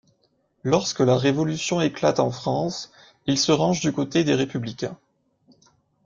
Lorsque la Révolution éclate en France, il se range du côté des républicains.